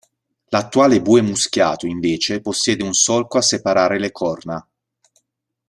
L'attuale bue muschiato, invece, possiede un solco a separare le corna.